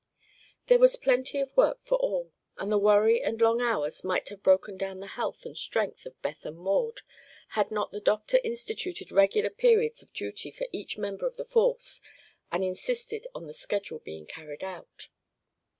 There was plenty of work for all and the worry and long hours might have broken down the health and strength of Beth and Maud had not the doctor instituted regular periods of duty for each member of the force and insisted on the schedule being carried out.